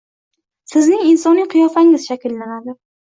Sizning insoniy qiyofangiz shakllanadi.